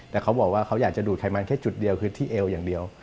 แต่เขาบอกว่าเขาอยากจะดูดไขมันแค่จุดเดียวคือที่เอวอย่างเดียว